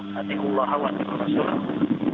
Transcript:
hati allah watih allah surah